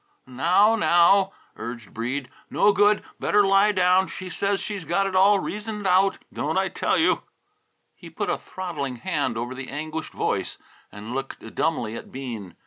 "Now, now!" urged Breede. "No good. Better lie down. She says she's got it all reasoned out, don't I tell you?" He put a throttling hand over the anguished voice, and looked dumbly at Bean.